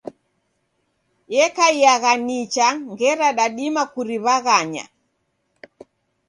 Yakaiagha nicha ngera dadima kuriw'aghanya.